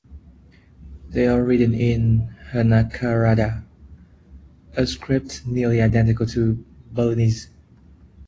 They are written in "hanacaraka", a script nearly identical to Balinese.